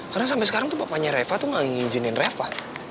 karena sampai sekarang tuh papanya reva tuh gak ngijinin reva